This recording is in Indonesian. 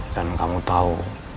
dan kamu tahu